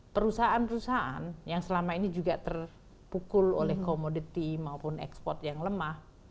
perusahaan perusahaan yang selama ini juga terpukul oleh komoditi maupun ekspor yang lemah